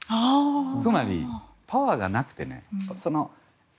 つまり、パワーがなくて。